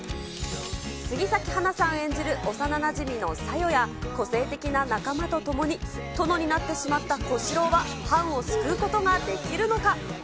杉咲花さん演じる幼なじみのさよや、個性的な仲間とともに、殿になってしまった小四郎は藩を救うことができるのか。